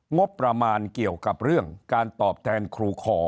งบประมาณเกี่ยวกับเรื่องการตอบแทนครูขอ